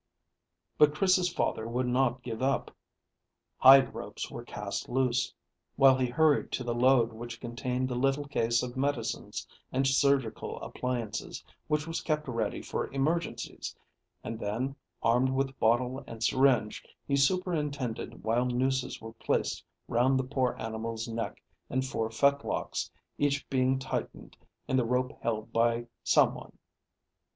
But Chris's father would not give up. Hide ropes were cast loose, while he hurried to the load which contained the little case of medicines and surgical appliances which was kept ready for emergencies, and then armed with bottle and syringe he superintended while nooses were placed round the poor animal's neck and four fetlocks, each being tightened and the rope held by some one.